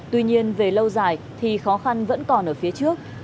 tuy nhiên về lâu dài thì khó khăn vẫn còn ở phía trước